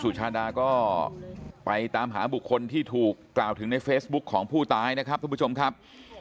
ชาดาก็ไปตามหาบุคคลที่ถูกกล่าวถึงในเฟซบุ๊คของผู้ตายนะครับทุกผู้ชมครับ